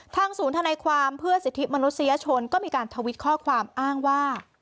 ศูนย์ธนายความเพื่อสิทธิมนุษยชนก็มีการทวิตข้อความอ้างว่า